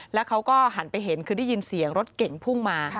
แล้วเขาก็หันไปเห็นคือได้ยินเสียงรถเก่งพุ่งมา